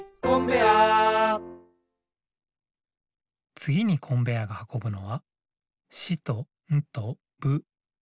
つぎにコンベアーがはこぶのは「し」と「ん」と「ぶ」。